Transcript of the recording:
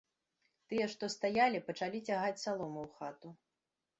Тыя, што стаялі, пачалі цягаць салому ў хату.